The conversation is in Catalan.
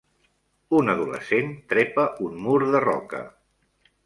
Un adolescent trepa un mur de roca.